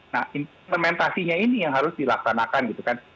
nah implementasinya ini yang harus dilaksanakan gitu kan